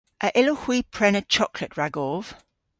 A yllowgh hwi prena choklet ragov?